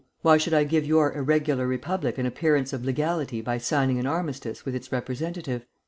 Why should I give your irregular Republic an appearance of legality by signing an armistice with its representative?